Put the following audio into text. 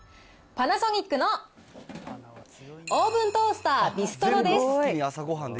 パナソニックのオーブントースタービストロです。